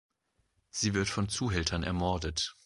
Sie wird von Zuhältern ermordet.